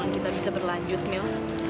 kita bisa berlanjut mil